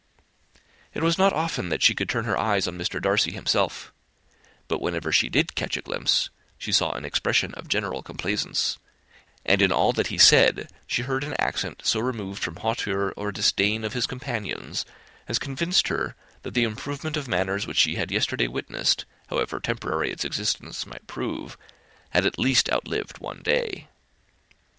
It was not often that she could turn her eyes on Mr. Darcy himself; but whenever she did catch a glimpse she saw an expression of general complaisance, and in all that he said, she heard an accent so far removed from hauteur or disdain of his companions, as convinced her that the improvement of manners which she had yesterday witnessed, however temporary its existence might prove, had at least outlived one day.